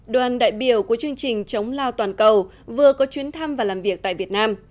đoàn đại biểu của chương trình chống lao toàn cầu vừa có chuyến thăm và làm việc tại việt nam